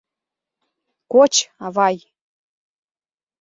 — Коч, авай!